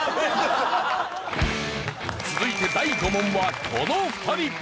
続いて第５問はこの２人！